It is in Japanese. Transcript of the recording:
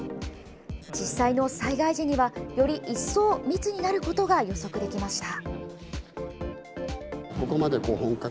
実際の災害時には、より一層密になることが予測できました。